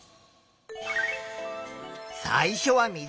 最初は水。